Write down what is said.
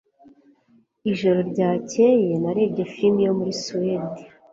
Ijoro ryakeye narebye firime yo muri Suwede